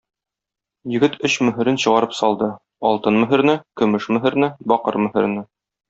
Егет өч мөһерен чыгарып салды: алтын мөһерне, көмеш мөһерне, бакыр мөһерне.